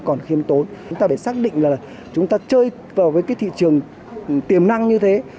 chúng ta phải xác định là chúng ta chơi vào với cái thị trường tiềm năng như thế